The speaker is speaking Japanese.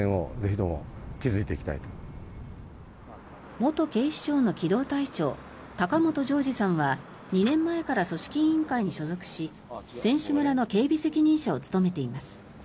元警視庁の機動隊長高元常司さんは２年前から組織委員会に所属し選手村の警備責任者を務めています。